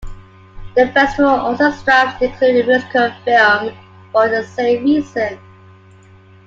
The festival also strives to include a musical film for the same reason.